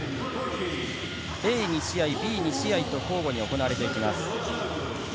Ａ２試合、Ｂ２試合と交互に行われていきます。